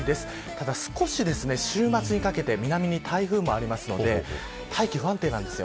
ただ少し週末にかけて台風もありますので大気が不安定です。